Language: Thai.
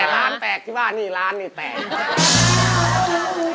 ช่วงเหมือนออกที่บ้านต่างเหมือนบ้าน